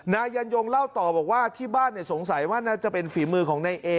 นายยันยงเล่าต่อบอกว่าที่บ้านสงสัยว่าน่าจะเป็นฝีมือของนายเอ